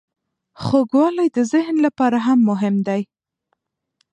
خوږوالی د ذهن لپاره هم مهم دی.